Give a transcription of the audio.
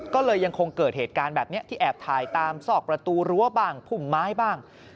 ก็เลยยังคงเกิดเหตุการณ์แบบนี้ที่แอบถ่ายตามซอกประตูรั้วบ้างพุ่มไม้บ้าง